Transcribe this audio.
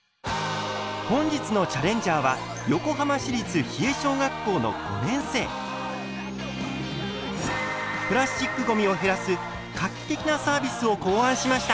本日のチャレンジャーはプラスチックごみを減らす画期的なサービスを考案しました！